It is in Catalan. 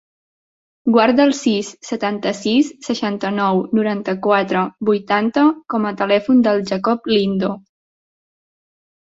Guarda el sis, setanta-sis, seixanta-nou, noranta-quatre, vuitanta com a telèfon del Jacob Lindo.